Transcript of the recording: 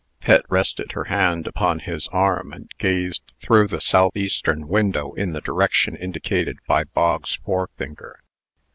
Pet rested her hand upon his arm, and gazed through the southeastern window, in the direction indicated by Bog's forefinger.